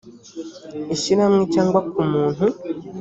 ishyirahamwe cyangwa ku muntu